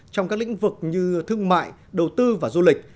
trong các lĩnh vực như thương mại đầu tư và du lịch